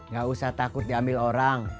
gak usah takut diambil orang